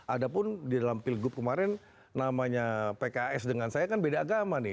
ada pun di dalam pilgub kemarin namanya pks dengan saya kan beda agama nih